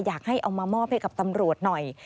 อยากให้เอามามอบให้กับตำรวจหน่อย